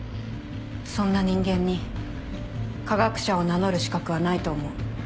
そんな人間に科学者を名乗る資格はないと思う。